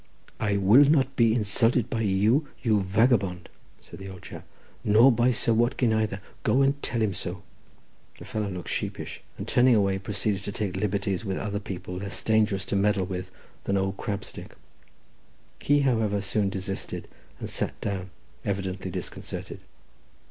"I will not be insulted by you, you vagabond," said the old chap, "nor by Sir Watkin either; go and tell him so." The fellow looked sheepish, and turning away, proceeded to take liberties with other people less dangerous to meddle with than old crabstick. He, however, soon desisted, and sat down, evidently disconcerted.